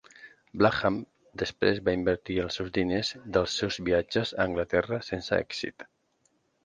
Blackham després va invertir els seus diners dels seus viatges a Anglaterra sense èxit.